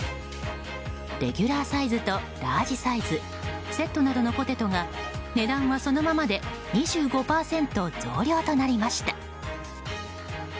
レギュラーサイズとラージサイズセットなどのポテトが値段はそのままで２５％増量となりました。